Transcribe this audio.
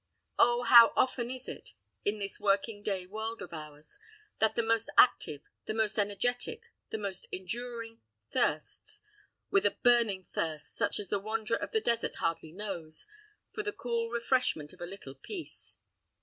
Oh, how often is it, in this working day world of ours, that the most active, the most energetic, the most enduring, thirsts, with a burning thirst, such as the wanderer of the desert hardly knows, for the cool refreshment of a little peace.